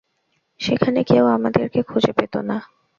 সেখানে, কেউ আমাদেরকে খুঁজে পেতো না।